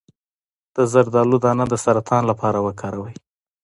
د زردالو دانه د سرطان لپاره وکاروئ